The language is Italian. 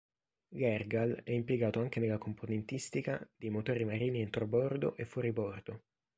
L'Ergal è impiegato anche nella componentistica dei motori marini entrobordo e fuoribordo.